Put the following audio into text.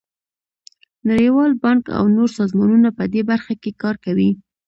نړیوال بانک او نور سازمانونه په دې برخه کې کار کوي.